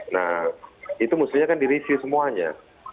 nah itu mestinya kan direview semuanya